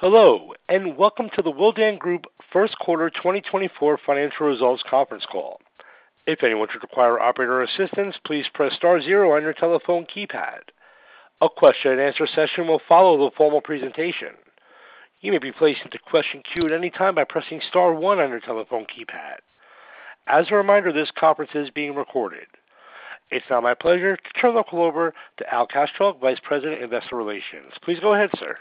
Hello and welcome to the Willdan Group First Quarter 2024 Financial Results Conference Call. If anyone should require operator assistance, please press star 0 on your telephone keypad. A question-and-answer session will follow the formal presentation. You may be placed into question queue at any time by pressing star 1 on your telephone keypad. As a reminder, this conference is being recorded. It's now my pleasure to turn the call over to Al Kaschalk, Vice President Investor Relations. Please go ahead, sir.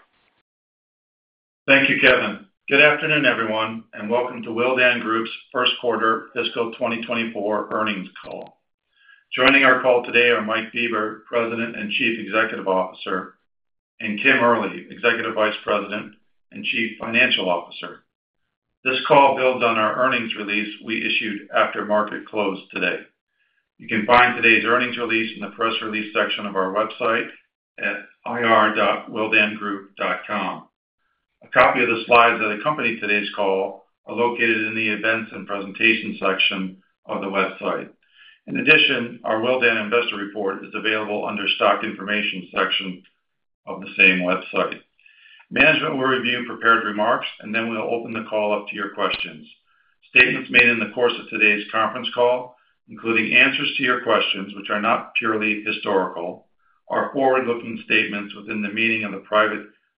Thank you, Kevin. Good afternoon, everyone, and welcome to Willdan Group's First Quarter Fiscal 2024 Earnings Call. Joining our call today are Mike Bieber, President and Chief Executive Officer, and Kim Early, Executive Vice President and Chief Financial Officer. This call builds on our earnings release we issued after market closed today. You can find today's earnings release in the press release section of our website at ir.willdangroup.com. A copy of the slides that accompany today's call are located in the Events and Presentations section of the website. In addition, our Willdan Investor Report is available under the Stock Information section of the same website. Management will review prepared remarks, and then we'll open the call up to your questions. Statements made in the course of today's conference call, including answers to your questions which are not purely historical, are forward-looking statements within the meaning of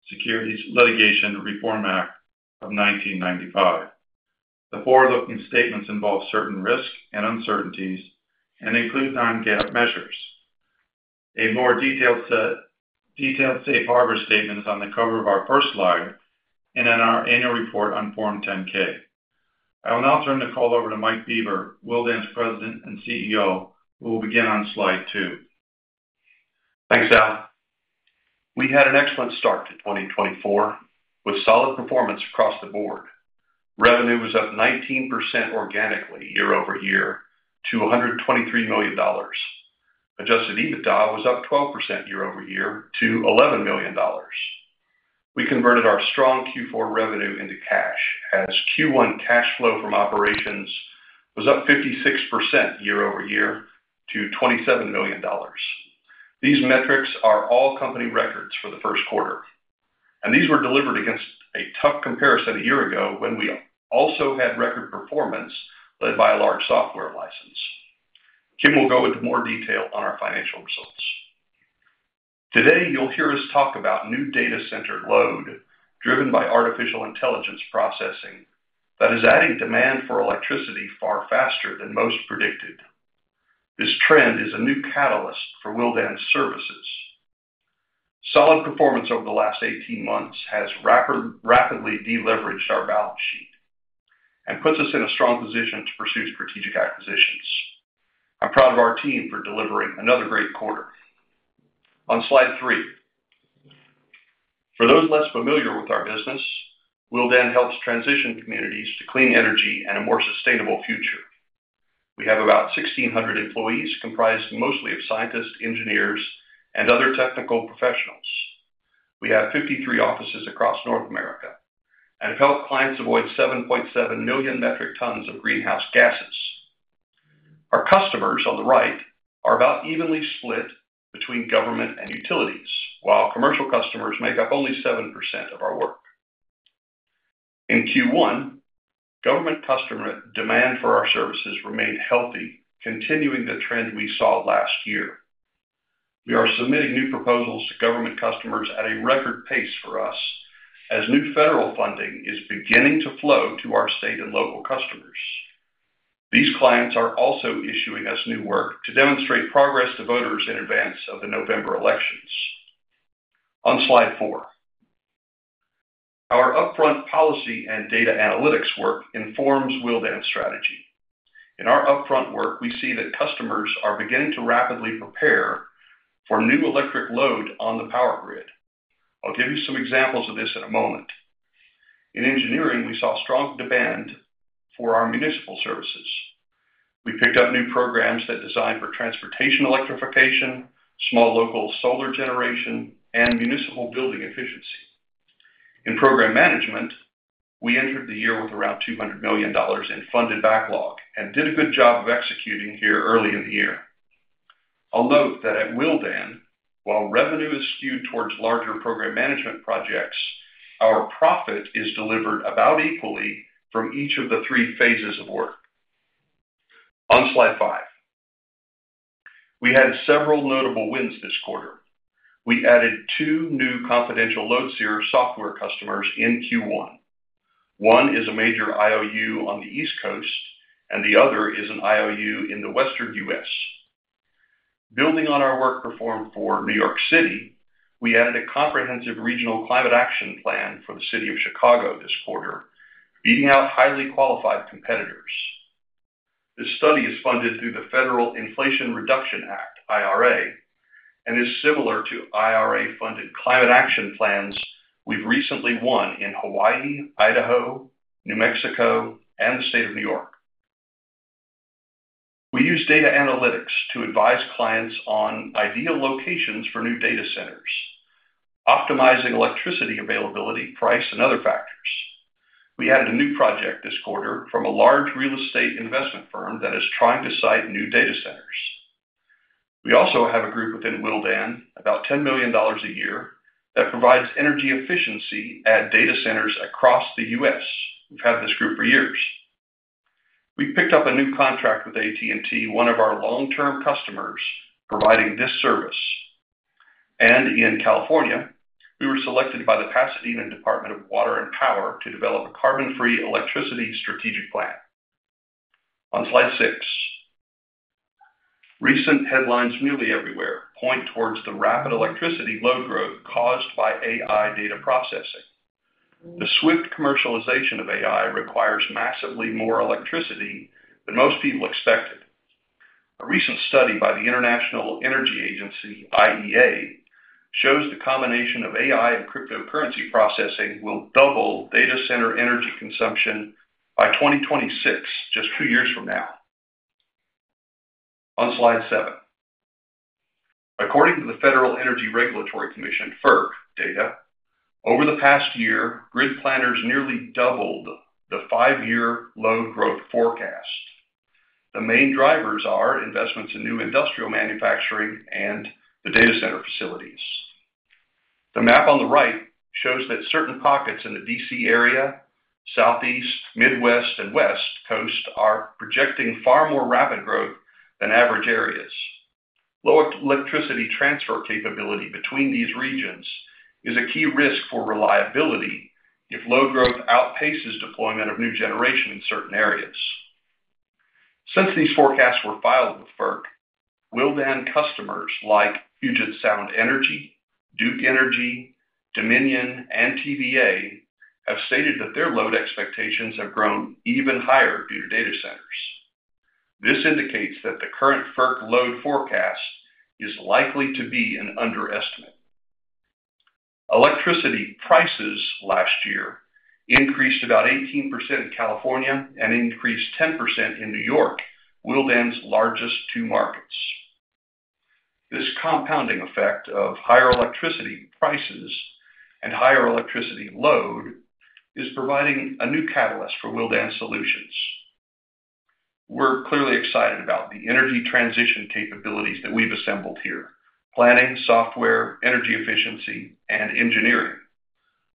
the Private Securities Litigation Reform Act of 1995. The forward-looking statements involve certain risks and uncertainties and include non-GAAP measures. A more detailed safe harbor statement is on the cover of our first slide and in our annual report on Form 10-K. I will now turn the call over to Mike Bieber, Willdan's President and CEO, who will begin on Slide 2. Thanks, Al. We had an excellent start to 2024 with solid performance across the board. Revenue was up 19% organically year-over-year to $123 million. Adjusted EBITDA was up 12% year-over-year to $11 million. We converted our strong Q4 revenue into cash as Q1 cash flow from operations was up 56% year-over-year to $27 million. These metrics are all company records for the Q1, and these were delivered against a tough comparison a year ago when we also had record performance led by a large software license. Kim will go into more detail on our financial results. Today you'll hear us talk about new data center load driven by artificial intelligence processing that is adding demand for electricity far faster than most predicted. This trend is a new catalyst for Willdan's services. Solid performance over the last 18 months has rapidly deleveraged our balance sheet and puts us in a strong position to pursue strategic acquisitions. I'm proud of our team for delivering another great quarter. On Slide 3, for those less familiar with our business, Willdan helps transition communities to clean energy and a more sustainable future. We have about 1,600 employees comprised mostly of scientists, engineers, and other technical professionals. We have 53 offices across North America and have helped clients avoid 7.7 million metric tons of greenhouse gases. Our customers on the right are about evenly split between government and utilities, while commercial customers make up only 7% of our work. In Q1, government customer demand for our services remained healthy, continuing the trend we saw last year. We are submitting new proposals to government customers at a record pace for us as new federal funding is beginning to flow to our state and local customers. These clients are also issuing us new work to demonstrate progress to voters in advance of the November elections. On Slide 4, our upfront policy and data analytics work informs Willdan's strategy. In our upfront work, we see that customers are beginning to rapidly prepare for new electric load on the power grid. I'll give you some examples of this in a moment. In engineering, we saw strong demand for our municipal services. We picked up new programs that designed for transportation electrification, small local solar generation, and municipal building efficiency. In program management, we entered the year with around $200 million in funded backlog and did a good job of executing here early in the year. I'll note that at Willdan, while revenue is skewed towards larger program management projects, our profit is delivered about equally from each of the three phases of work. On Slide 5, we had several notable wins this quarter. We added two new confidential LoadSEER software customers in Q1. One is a major IOU on the East Coast, and the other is an IOU in the Western U.S. Building on our work performed for New York City, we added a comprehensive regional climate action plan for the City of Chicago this quarter, beating out highly qualified competitors. This study is funded through the federal Inflation Reduction Act, IRA, and is similar to IRA-funded climate action plans we've recently won in Hawaii, Idaho, New Mexico, and the State of New York. We use data analytics to advise clients on ideal locations for new data centers, optimizing electricity availability, price, and other factors. We added a new project this quarter from a large real estate investment firm that is trying to site new data centers. We also have a group within Willdan, about $10 million a year, that provides energy efficiency at data centers across the U.S. We've had this group for years. We picked up a new contract with AT&T, one of our long-term customers, providing this service. In California, we were selected by the Pasadena Department of Water and Power to develop a carbon-free electricity strategic plan. On Slide 6, recent headlines newly everywhere point towards the rapid electricity load growth caused by AI data processing. The swift commercialization of AI requires massively more electricity than most people expected. A recent study by the International Energy Agency, IEA, shows the combination of AI and cryptocurrency processing will double data center energy consumption by 2026, just two years from now. On Slide 7, according to the Federal Energy Regulatory Commission, FERC data, over the past year, grid planners nearly doubled the five-year load growth forecast. The main drivers are investments in new industrial manufacturing and the data center facilities. The map on the right shows that certain pockets in the D.C. area, Southeast, Midwest, and West Coast are projecting far more rapid growth than average areas. Low electricity transfer capability between these regions is a key risk for reliability if load growth outpaces deployment of new generation in certain areas. Since these forecasts were filed with FERC, Willdan customers like Puget Sound Energy, Duke Energy, Dominion, and TVA have stated that their load expectations have grown even higher due to data centers. This indicates that the current FERC load forecast is likely to be an underestimate. Electricity prices last year increased about 18% in California and increased 10% in New York, Willdan's largest two markets. This compounding effect of higher electricity prices and higher electricity load is providing a new catalyst for Willdan's solutions. We're clearly excited about the energy transition capabilities that we've assembled here: planning, software, energy efficiency, and engineering.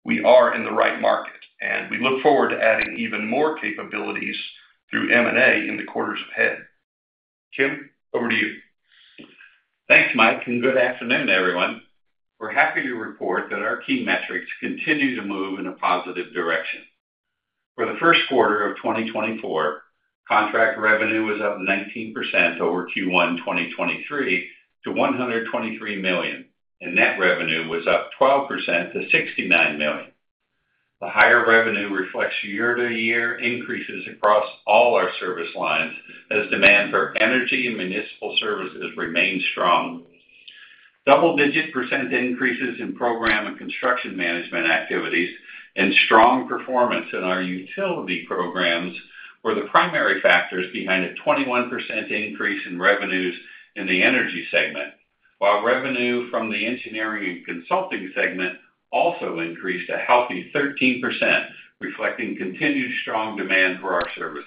We are in the right market, and we look forward to adding even more capabilities through M&A in the quarters ahead. Kim, over to you. Thanks, Mike, and good afternoon, everyone. We're happy to report that our key metrics continue to move in a positive direction. For the Q1 of 2024, contract revenue was up 19% over Q1 2023 to $123 million, and net revenue was up 12% to $69 million. The higher revenue reflects year-to-year increases across all our service lines as demand for energy and municipal services remains strong. Double-digit percent increases in program and construction management activities and strong performance in our utility programs were the primary factors behind a 21% increase in revenues in the energy segment, while revenue from the engineering and consulting segment also increased a healthy 13%, reflecting continued strong demand for our services.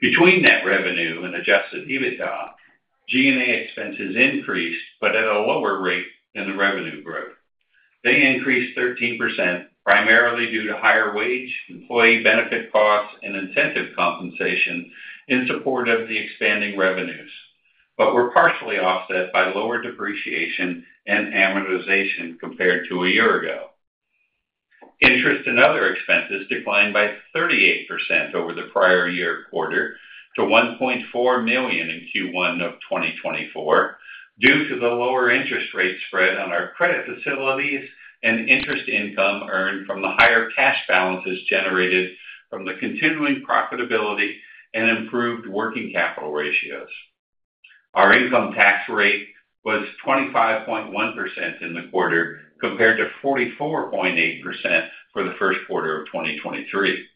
Between net revenue and Adjusted EBITDA, G&A expenses increased but at a lower rate than the revenue growth. They increased 13% primarily due to higher wage, employee benefit costs, and incentive compensation in support of the expanding revenues, but were partially offset by lower depreciation and amortization compared to a year ago. Interest and other expenses declined by 38% over the prior year quarter to $1.4 million in Q1 of 2024 due to the lower interest rate spread on our credit facilities and interest income earned from the higher cash balances generated from the continuing profitability and improved working capital ratios. Our income tax rate was 25.1% in the quarter compared to 44.8% for the Q1 of 2023.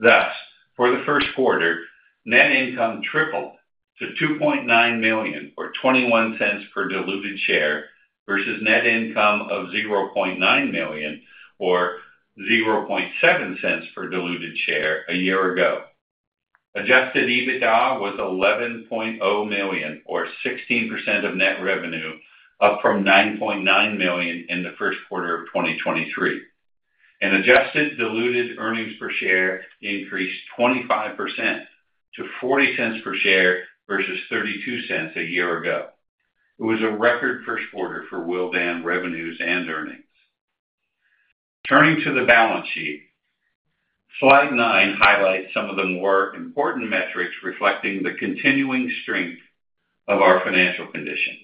Thus, for the Q1, net income tripled to $2.9 million or $0.21 per diluted share versus net income of $0.9 million or $0.007 per diluted share a year ago. Adjusted EBITDA was $11.0 million or 16% of net revenue, up from $9.9 million in the Q1 of 2023. Adjusted diluted earnings per share increased 25% to $0.40 per share versus $0.32 a year ago. It was a record Q1 for Willdan revenues and earnings. Turning to the balance sheet, Slide 9 highlights some of the more important metrics reflecting the continuing strength of our financial condition.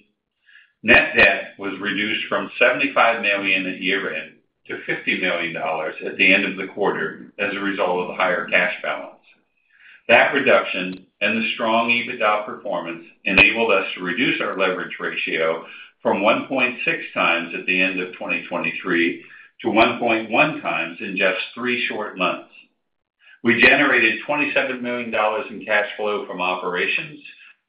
Net debt was reduced from $75 million at year-end to $50 million at the end of the quarter as a result of the higher cash balance. That reduction and the strong EBITDA performance enabled us to reduce our leverage ratio from 1.6x at the end of 2023 to 1.1x in just three short months. We generated $27 million in cash flow from operations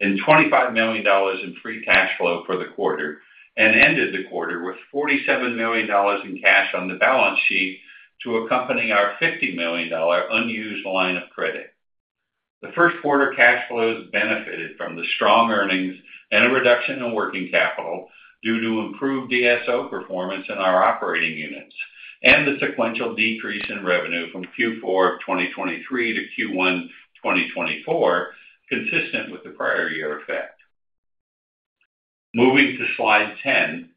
and $25 million in free cash flow for the quarter and ended the quarter with $47 million in cash on the balance sheet to accompany our $50 million unused line of credit. The Q1 cash flows benefited from the strong earnings and a reduction in working capital due to improved DSO performance in our operating units and the sequential decrease in revenue from Q4 of 2023 to Q1 2024, consistent with the prior year effect. Moving to Slide 10,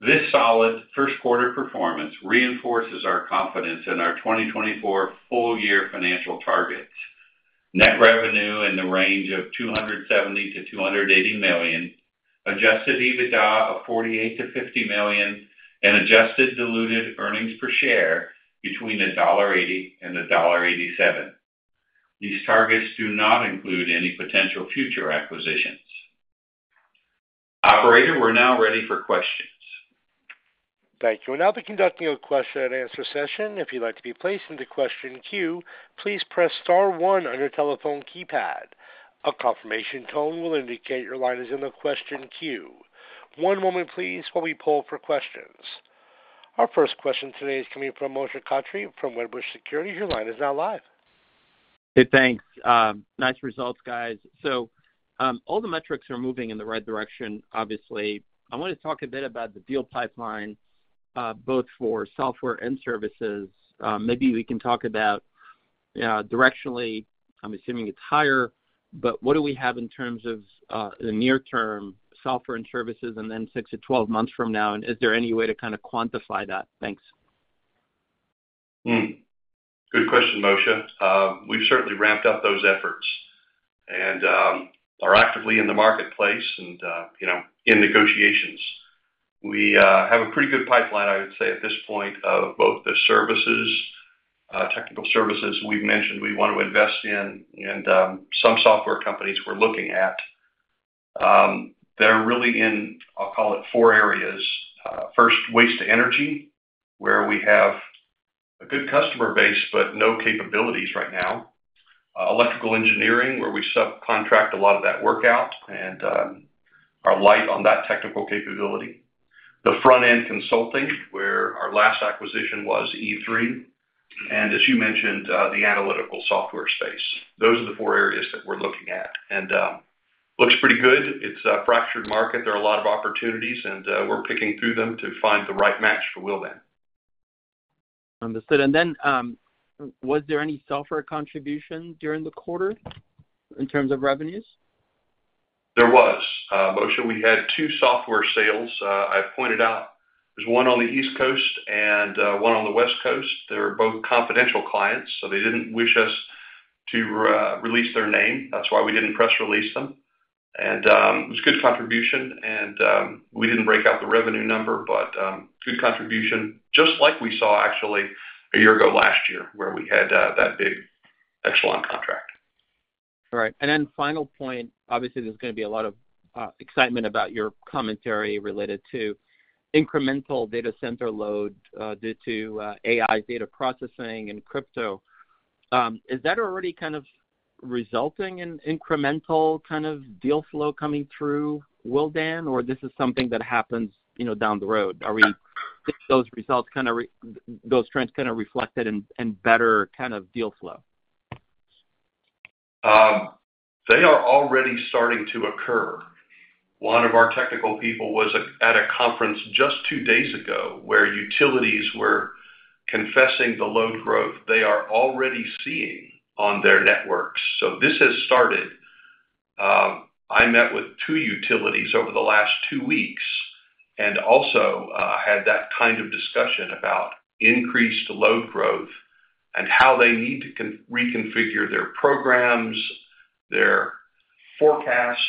this solid Q1 performance reinforces our confidence in our 2024 full-year financial targets. Net revenue in the range of $270-$280 million, Adjusted EBITDA of $48-$50 million, and adjusted diluted earnings per share between $1.80 and $1.87. These targets do not include any potential future acquisitions. Operator, we're now ready for questions. Thank you. We're now conducting a question-and-answer session. If you'd like to be placed into question queue, please press star one on your telephone keypad. A confirmation tone will indicate your line is in the question queue. One moment, please, while we pull for questions. Our first question today is coming from Moshe Katri from Wedbush Securities. Your line is now live. Hey, thanks. Nice results, guys. So all the metrics are moving in the right direction, obviously. I want to talk a bit about the deal pipeline, both for software and services. Maybe we can talk about directionally, I'm assuming it's higher, but what do we have in terms of the near-term software and services and then 6-12 months from now? And is there any way to kind of quantify that? Thanks. Good question, Moshe. We've certainly ramped up those efforts and are actively in the marketplace and in negotiations. We have a pretty good pipeline, I would say, at this point of both the services, technical services we've mentioned we want to invest in, and some software companies we're looking at. They're really in, I'll call it, four areas. First, waste-to-energy, where we have a good customer base but no capabilities right now. Electrical engineering, where we subcontract a lot of that work out and are light on that technical capability. The front-end consulting, where our last acquisition was E3. And as you mentioned, the analytical software space. Those are the four areas that we're looking at. And looks pretty good. It's a fractured market. There are a lot of opportunities, and we're picking through them to find the right match for Willdan. Understood. And then was there any software contribution during the quarter in terms of revenues? There was. Moshe, we had two software sales. I've pointed out there's one on the East Coast and one on the West Coast. They're both confidential clients, so they didn't wish us to release their name. That's why we didn't press release them. And it was good contribution, and we didn't break out the revenue number, but good contribution, just like we saw, actually, a year ago last year where we had that big Exelon contract. All right. Then final point, obviously, there's going to be a lot of excitement about your commentary related to incremental data center load due to AI data processing and crypto. Is that already kind of resulting in incremental kind of deal flow coming through Willdan, or this is something that happens down the road? Are those results kind of those trends kind of reflected in better kind of deal flow? They are already starting to occur. One of our technical people was at a conference just 2 days ago where utilities were confessing the load growth they are already seeing on their networks. So this has started. I met with 2 utilities over the last 2 weeks and also had that kind of discussion about increased load growth and how they need to reconfigure their programs, their forecasts,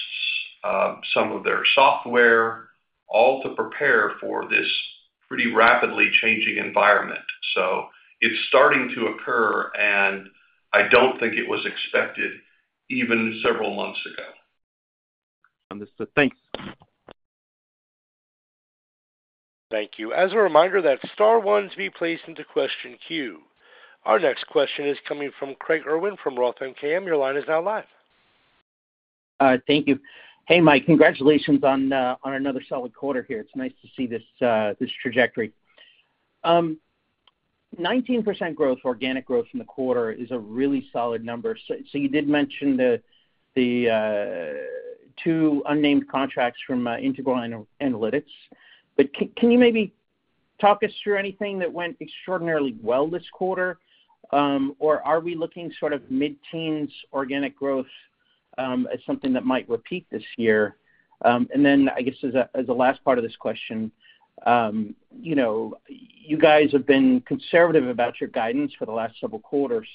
some of their software, all to prepare for this pretty rapidly changing environment. So it's starting to occur, and I don't think it was expected even several months ago. Understood. Thanks. Thank you. As a reminder, press star one to be placed into question queue. Our next question is coming from Craig Irwin from Roth MKM. Your line is now live. Thank you. Hey, Mike, congratulations on another solid quarter here. It's nice to see this trajectory. 19% growth, organic growth in the quarter, is a really solid number. So you did mention the two unnamed contracts from Integral Analytics. But can you maybe talk us through anything that went extraordinarily well this quarter, or are we looking sort of mid-teens organic growth as something that might repeat this year? And then, I guess, as a last part of this question, you guys have been conservative about your guidance for the last several quarters.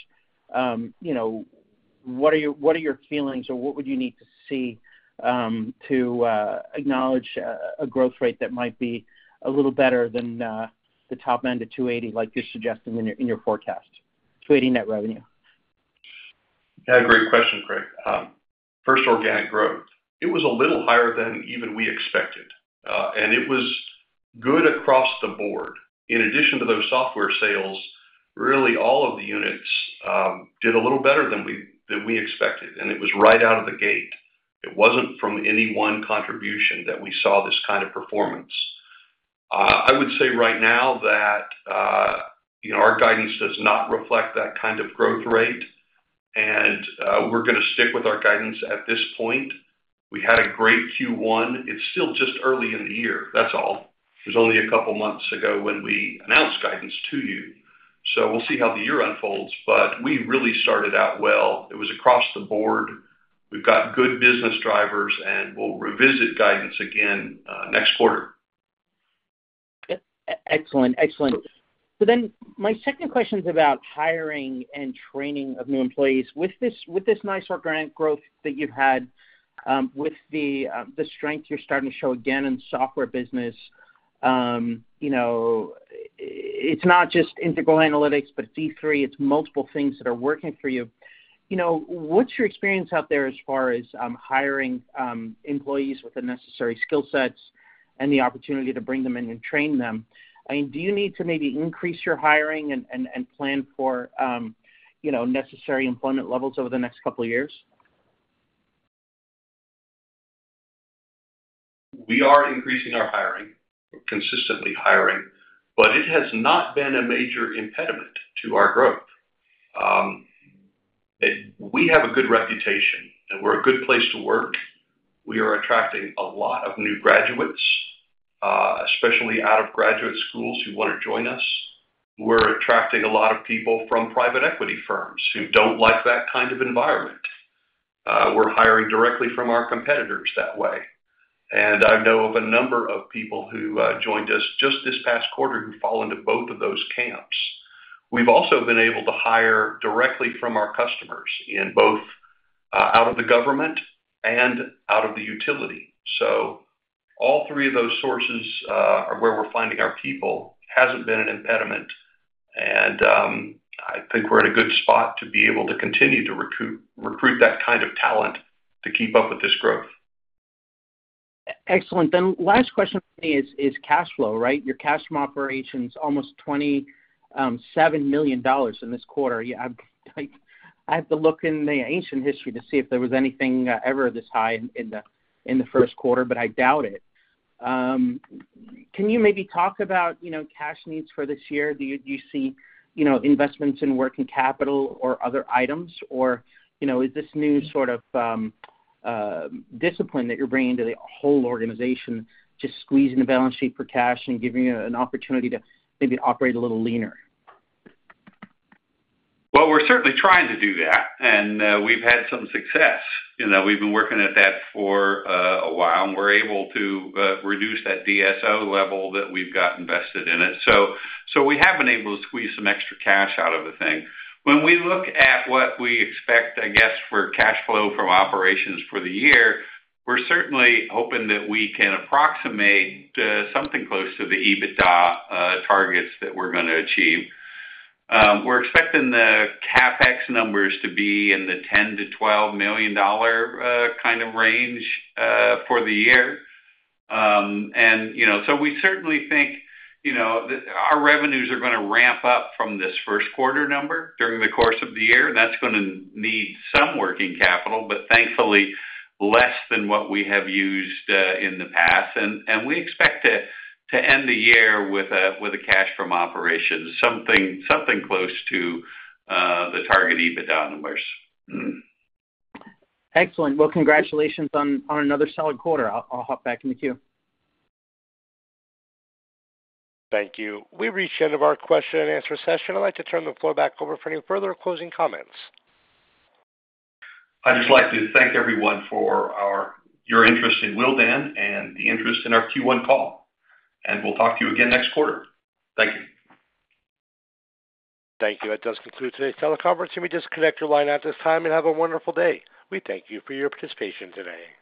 What are your feelings, or what would you need to see to acknowledge a growth rate that might be a little better than the top end of $280, like you're suggesting in your forecast, $280 net revenue? Yeah, great question, Craig. First, organic growth. It was a little higher than even we expected, and it was good across the board. In addition to those software sales, really, all of the units did a little better than we expected, and it was right out of the gate. It wasn't from any one contribution that we saw this kind of performance. I would say right now that our guidance does not reflect that kind of growth rate, and we're going to stick with our guidance at this point. We had a great Q1. It's still just early in the year. That's all. It was only a couple of months ago when we announced guidance to you. So we'll see how the year unfolds. But we really started out well. It was across the board. We've got good business drivers, and we'll revisit guidance again next quarter. Excellent. Excellent. So then my second question is about hiring and training of new employees. With this nice organic growth that you've had, with the strength you're starting to show again in software business, it's not just Integral Analytics, but it's E3. It's multiple things that are working for you. What's your experience out there as far as hiring employees with the necessary skill sets and the opportunity to bring them in and train them? I mean, do you need to maybe increase your hiring and plan for necessary employment levels over the next couple of years? We are increasing our hiring, consistently hiring, but it has not been a major impediment to our growth. We have a good reputation, and we're a good place to work. We are attracting a lot of new graduates, especially out of graduate schools who want to join us. We're attracting a lot of people from private equity firms who don't like that kind of environment. We're hiring directly from our competitors that way. I know of a number of people who joined us just this past quarter who fall into both of those camps. We've also been able to hire directly from our customers out of the government and out of the utility. So all three of those sources where we're finding our people hasn't been an impediment, and I think we're in a good spot to be able to continue to recruit that kind of talent to keep up with this growth. Excellent. Then last question for me is cash flow, right? Your cash from operations, almost $27 million in this quarter. I have to look in the ancient history to see if there was anything ever this high in the Q1, but I doubt it. Can you maybe talk about cash needs for this year? Do you see investments in working capital or other items, or is this new sort of discipline that you're bringing to the whole organization just squeezing the balance sheet for cash and giving you an opportunity to maybe operate a little leaner? Well, we're certainly trying to do that, and we've had some success. We've been working at that for a while, and we're able to reduce that DSO level that we've got invested in it. So we have been able to squeeze some extra cash out of the thing. When we look at what we expect, I guess, for cash flow from operations for the year, we're certainly hoping that we can approximate something close to the EBITDA targets that we're going to achieve. We're expecting the CapEx numbers to be in the $10-$12 million kind of range for the year. And so we certainly think our revenues are going to ramp up from this Q1 number during the course of the year, and that's going to need some working capital, but thankfully less than what we have used in the past. We expect to end the year with a cash from operations, something close to the target EBITDA numbers. Excellent. Well, congratulations on another solid quarter. I'll hop back in the queue. Thank you. We've reached the end of our question-and-answer session. I'd like to turn the floor back over for any further closing comments. I'd just like to thank everyone for your interest in Willdan and the interest in our Q1 call. We'll talk to you again next quarter. Thank you. Thank you. That does conclude today's teleconference. You may just connect your line at this time and have a wonderful day. We thank you for your participation today.